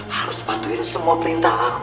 harus patuhin semua perintah aku